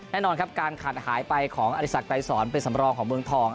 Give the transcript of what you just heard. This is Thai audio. แน่นอนครับการขาดหายไปของอริสักไกรสอนเป็นสำรองของเมืองทอง